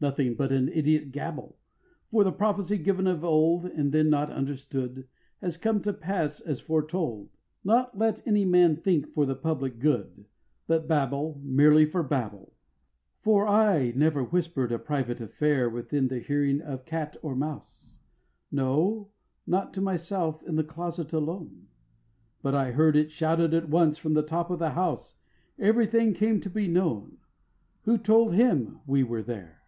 4. Nothing but idiot gabble! For the prophecy given of old And then not understood, Has come to pass as foretold; Not let any man think for the public good, But babble, merely for babble. For I never whisper'd a private affair Within the hearing of cat or mouse, No, not to myself in the closet alone, But I heard it shouted at once from the top of the house; Everything came to be known: Who told him we were there?